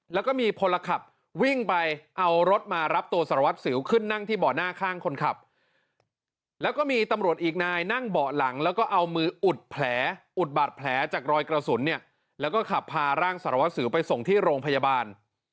แล้วก็มีพลขับวิ่งไปเอารถมารับตัวสารวัตรสิวขึ้นนั่งที่เบาะหน้าข้างคนขับแล้วก็มีตำรวจอีกนายนั่งเบาะหลังแล้วก็เอามืออุดแผลอุดบาดแผลจากรอยกระสุนเนี่ยแล้วก็ขับพาร่างสารวัสสิวไปส่งที่โรงพยาบาล